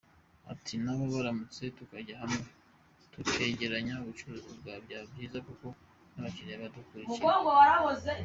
Ati “Nabo bamanutse tukajya hamwe tukegeranya ubucuruzi, byaba byiza kuko n’abakiriya badukurikira.